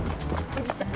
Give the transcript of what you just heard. おじさん。